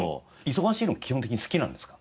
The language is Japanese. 忙しいのは基本的に好きなんですか？